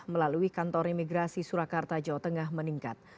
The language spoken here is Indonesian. melalui kantor imigrasi surakarta jawa tengah meningkat